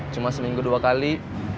cuma seminggu dua kali